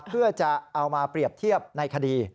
เพื่อจะเอามาเปรียบเทียบในคดี